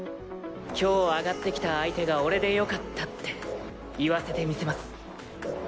今日上がってきた相手が俺で良かったって言わせてみせます。